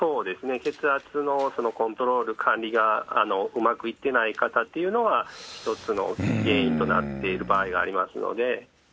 血圧のコントロール、管理がうまくいってない方というのは、一つの原因となっている場合がありますので。